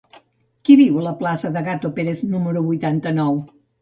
Qui viu a la plaça de Gato Pérez número vuitanta-nou?